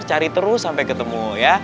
cari terus sampai ketemu ya